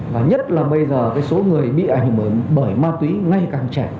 và nhất là bây giờ số người bị ảnh hưởng bởi ma túy ngay càng trẻ